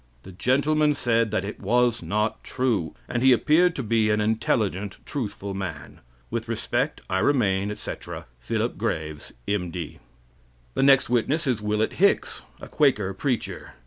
The gentleman said that it was not true, and he appeared to be an intelligent, truthful man. With respect, I remain, etc., Philip Graves, M.D." The next witness is Willet Hicks, a Quaker preacher.